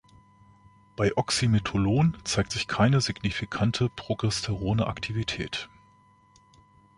Bei Oxymetholon zeigt sich keine signifikante progesterone Aktivität.